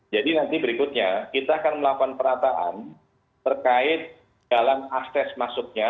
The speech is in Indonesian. jadi nanti berikutnya kita akan melakukan perataan terkait dalam akses masuknya